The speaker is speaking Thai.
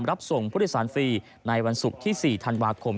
รับส่งผู้โดยสารฟรีในวันศุกร์ที่๔ธันวาคม